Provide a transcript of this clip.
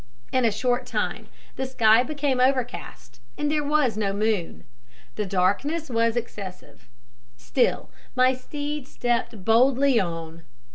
In a short time the sky became overcast, and there was no moon. The darkness was excessive. Still my steed stepped boldly on.